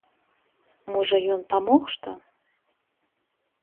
Можа, ён памог што?